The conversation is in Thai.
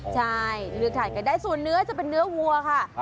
ใช่เลือกทานกันได้ส่วนเนื้อจะเป็นเนื้อวัวค่ะ